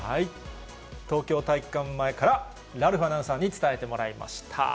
東京体育館前からラルフアナウンサーに伝えてもらいました。